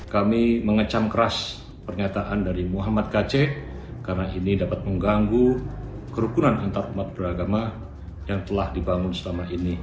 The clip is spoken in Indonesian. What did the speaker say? kami mengecam keras pernyataan dari mui jawa timur